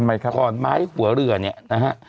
ก่อนไม้หัวเรือเนี่ยนะฮะ